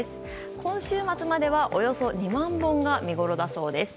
今週末まではおよそ２万本が見ごろだそうです。